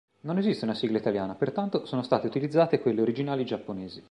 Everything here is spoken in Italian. Non esiste una sigla italiana, pertanto sono state utilizzate quelle originali giapponesi.